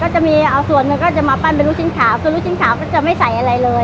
จะมีเอาส่วนหนึ่งก็จะมาปั้นเป็นลูกชิ้นขาวส่วนลูกชิ้นขาวก็จะไม่ใส่อะไรเลย